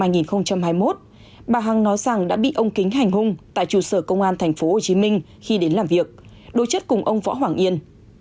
bà hằng nói rằng đã bị ông kính hành hung tại trụ sở công an tp hcm khi đến làm việc đối chất cùng ông võ hoàng yên